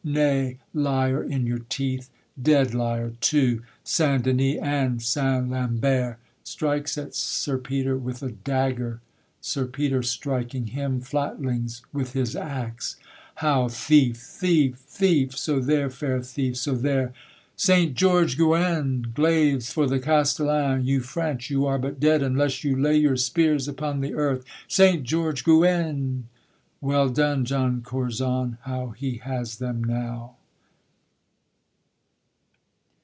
Nay, liar in your teeth! Dead liar too; St. Denis and St. Lambert! [Strikes at Sir Peter with a dagger. SIR PETER, striking him flatlings with his axe. How thief! thief! thief! so there, fair thief, so there, St. George Guienne! glaives for the castellan! You French, you are but dead, unless you lay Your spears upon the earth. St. George Guienne! Well done, John Curzon, how he has them now.